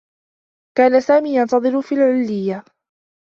كان سامي ينتظر في العلّيّة.